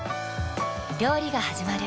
料理がはじまる。